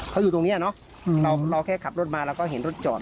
เขาอยู่ตรงนี้เนอะเราแค่ขับรถมาเราก็เห็นรถจอด